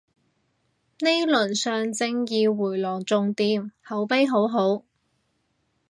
呢輪上正義迴廊仲掂，口碑好好